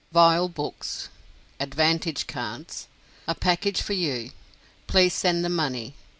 VILE BOOKS. "ADVANTAGE CARDS." A PACKAGE FOR YOU; PLEASE SEND THE MONEY.